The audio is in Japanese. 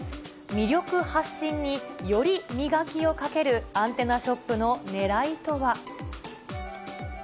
魅力発信により磨きをかけるアンテナショップのねらいとは。